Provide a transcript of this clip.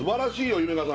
夢花さん